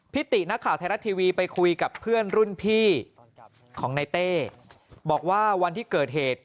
ตินักข่าวไทยรัฐทีวีไปคุยกับเพื่อนรุ่นพี่ของในเต้บอกว่าวันที่เกิดเหตุ